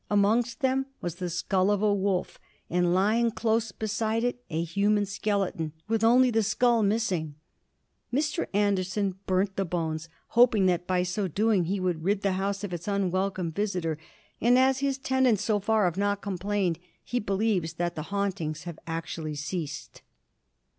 Amongst them was the skull of a wolf, and lying close beside it a human skeleton, with only the skull missing. Mr. Anderson burnt the bones, hoping that by so doing he would rid the house of its unwelcome visitor; and, as his tenants so far have not complained, he believes that the hauntings have actually ceased.